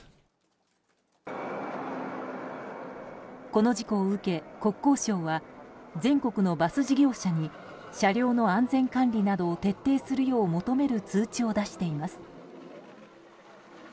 この事故を受け、国交省は全国のバス事業者に車両の安全管理などを徹底するよう求める通知を出しています。